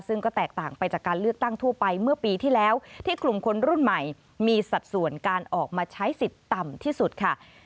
ซึ่งก็แตกต่างไปจากการเลือกตั้งทั่วไปเมื่อปีที่แล้วที่กลุ่มคนรุ่นใหม่มีสัดส่วนการออกมาใช้สิทธิ์ต่ำที่สุดค่ะ